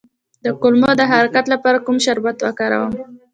د کولمو د حرکت لپاره کوم شربت وکاروم؟